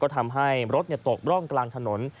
ทำให้รถตกร่องกลางถนน